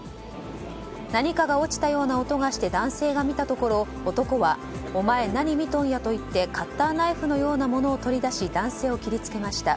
何かが落ちたような音がして男性が見たところ男はお前、何見とんやと言ってカッターナイフのようなものを取り出し、男性を切りつけました。